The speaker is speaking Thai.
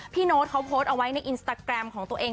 โน้ตเขาโพสต์เอาไว้ในอินสตาแกรมของตัวเอง